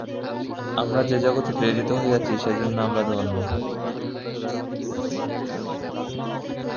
আমরা যে জগতে প্রেরিত হইয়াছি, সেজন্য আমরা ধন্য।